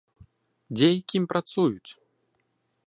Дзе і кім працуюць?